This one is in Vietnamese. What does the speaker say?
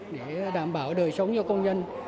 để đảm bảo đời sống cho công nhân